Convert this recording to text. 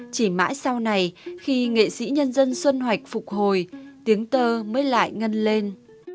chỉ mãi sau này khi nghệ sĩ nhân dân xuân hoạch phục hồi tiếng tơ mới lại ngân lên